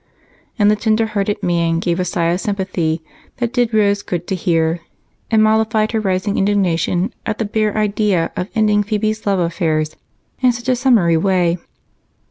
And the tenderhearted man gave a sigh of sympathy that did Rose good to hear and mollified her rising indignation at the bare idea of ending Phebe's love affairs in such a summary way.